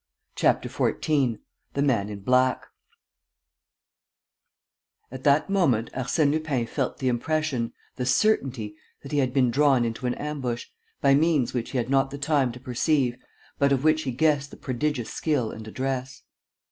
CHAPTER XIV THE MAN IN BLACK At that moment, Arsène Lupin felt the impression, the certainty, that he had been drawn into an ambush, by means which he had not the time to perceive, but of which he guessed the prodigious skill and address.